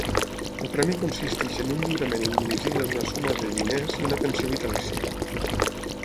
El premi consisteix en un lliurament indivisible d'una suma de diners i una pensió vitalícia.